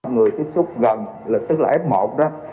người tiếp xúc gần tức là f một đó